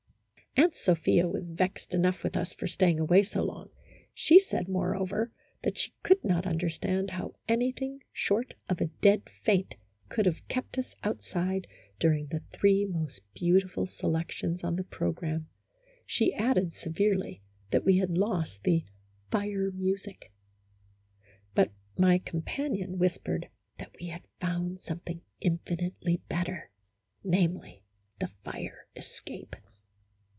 Aunt Sophia was vexed enough with us for stay ing away so long ; she said, moreover, that she could not understand how anything short of a dead faint could have kept us outside during the three most beautiful selections on the program. She added, severely, that we had lost the " Fire Music ;" 32 A HYPOCRITICAL ROMANCE. but my companion whispered that we had found something infinitely better, namely, the fire escape.